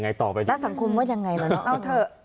แล้วสังคมว่ายังไงล่ะ